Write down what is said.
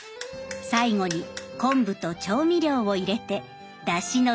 最後に昆布と調味料を入れてだしの出来上がり。